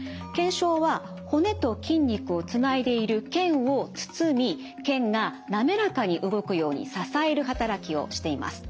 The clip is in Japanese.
腱鞘は骨と筋肉をつないでいる腱を包み腱が滑らかに動くように支える働きをしています。